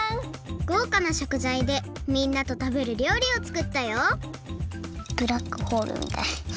ごうかなしょくざいでみんなとたべるりょうりをつくったよブラックホールみたい。